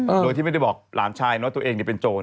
โดยที่ไม่ได้บอกหลานชายเนอะตัวเองเนี่ยเป็นโจร